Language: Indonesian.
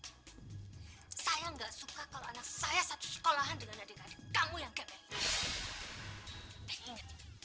hai saya enggak suka kalau anak saya satu sekolahan dengan adik adik kamu yang kebel